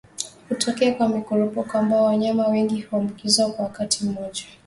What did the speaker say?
Hutokea kwa mikurupuko ambapo wanyama wengi huambukizwa kwa wakati mmoja